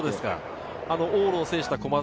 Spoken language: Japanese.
往路を制した駒澤。